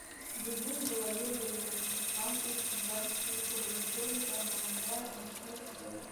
Бөгөн Йылайыр еренән сыҡҡан ул-ҡыҙҙар республикабыҙҙың төрлө тармағында уңышлы эшләй.